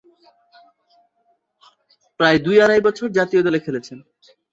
প্রায় দুই-আড়াই বছর জাতীয় দলে খেলছেন।